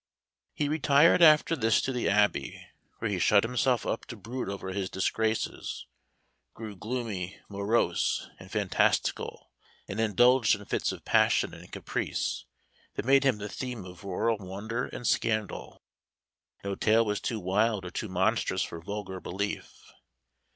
He retired after this to the Abbey, where he shut himself up to brood over his disgraces; grew gloomy, morose, and fantastical, and indulged in fits of passion and caprice, that made him the theme of rural wonder and scandal. No tale was too wild or too monstrous for vulgar belief.